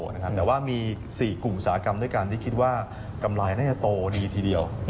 แต่ว่ามี๔กลุ่มอุตสาหกรรมด้วยกันที่คิดว่ากำไรน่าจะโตดีทีเดียว